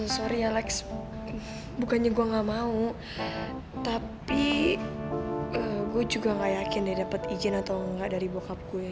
sorry alex bukannya gue gak mau tapi gue juga gak yakin deh dapet izin atau enggak dari bockup gue ya